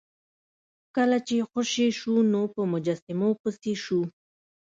کله چې خوشې شو نو په مجسمو پسې شو.